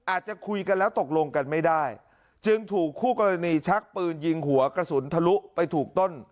อาจจะคุยกันแล้วตกลงกันไม่ได้จึงถูกคู่กรณีชักปืนยิงหัวกระสุนทะลุไปถูกต้น